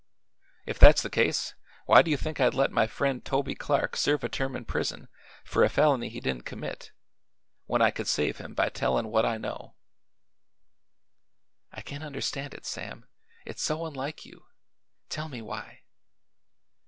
"If that's the case, why do you think I'd let my friend Toby Clark serve a term in prison for a felony he didn't commit, when I could save him by tellin' what I know?" "I can't understand it, Sam. It's so unlike you. Tell me why."